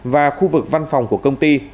và khu vực văn phòng của công ty